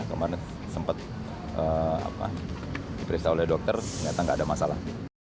kemarin sempat diperiksa oleh dokter ternyata nggak ada masalah